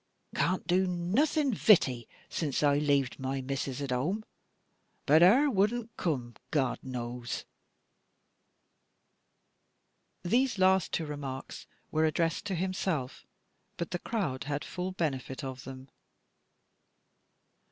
Can't do nothing vitty, zin I laved my missus at home. But her wadn't coom, God knows." These last two remarks were addressed to himself, but the crowd had full benefit of them.